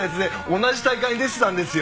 同じ大会に出てたんですよ。